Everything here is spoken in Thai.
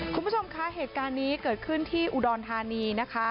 คุณผู้ชมคะเหตุการณ์นี้เกิดขึ้นที่อุดรธานีนะคะ